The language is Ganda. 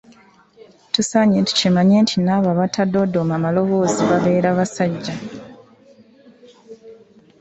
Tusaanye tukimanye nti n'abo abatadoodooma maloboozi babeera basajja.